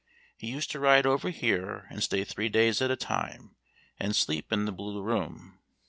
He used to ride over here and stay three days at a time, and sleep in the blue room.